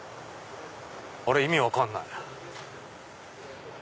意味分かんない。